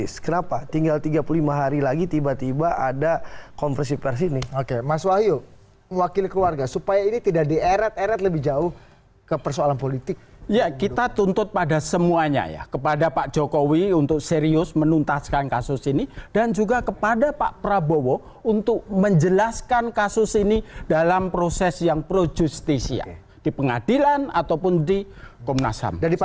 sebelumnya bd sosial diramaikan oleh video anggota dewan pertimbangan presiden general agung gemelar yang menulis cuitan bersambung menanggup